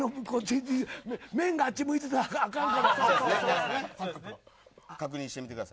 全員があっち向いてたらあかんから。